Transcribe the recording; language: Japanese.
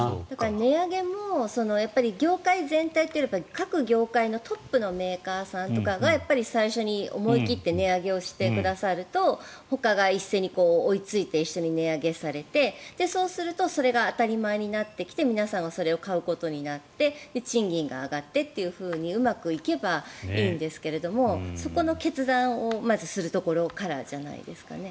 値上げも業界全体というよりは各業界のトップのメーカーさんとかが最初に思い切って値上げをしてくださるとほかが一斉に追いついて一緒に値上げされてそうするとそれが当たり前になってきて皆さんがそれを買うことになって賃金が上がってとうまくいけばいいんですけどそこの決断をまずするところからじゃないですかね。